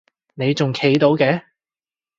你仲企到嘅？